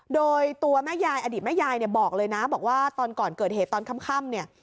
โดยตัวแม่ยายอดีตแม่ยายเนี่ยบอกเลยนะบอกว่าตอนก่อนเกิดเหตุตอนค่ำเนี่ย